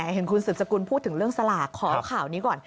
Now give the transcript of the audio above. เห็นคุณสืบสกุลพูดถึงเรื่องสลากขอข่าวนี้ก่อน